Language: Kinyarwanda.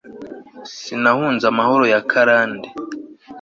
sinahunze amahoro y'akarande